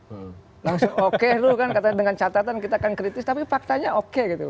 langsung oke lu kan katanya dengan catatan kita akan kritis tapi faktanya oke gitu